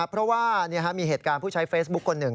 เพราะว่ามีเหตุการณ์ผู้ใช้เฟซบุ๊คคนหนึ่ง